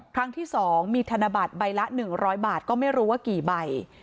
ครั้งที่๒มีธนบัตรใบละ๑๐๐บาทก็ไม่รู้ว่ากี่ใบ